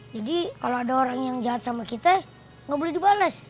jadi kalo ada orang yang jahat sama kita gak boleh dibalas